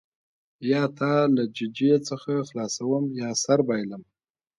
یا تا له ججې څخه خلاصوم یا سر بایلم.